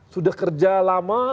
sudah kerja lama